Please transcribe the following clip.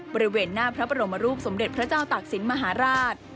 บริเวณหน้าพระบรมรูปสมเด็จพระเจ้าตากศิลป์มหาราช